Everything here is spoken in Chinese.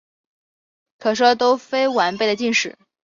可说都非完备的晋史。